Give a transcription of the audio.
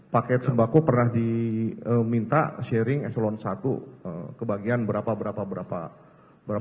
paket sembako pernah diminta sharing eselon i kebagian berapa berapa berapa